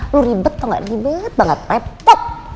lu ribet tau gak ribet banget